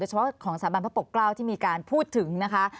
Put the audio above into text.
เฉพาะของสถาบันพระปกเกล้าที่มีการพูดถึงนะคะ